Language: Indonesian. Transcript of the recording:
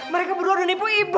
mereka berdua dan ibu ibu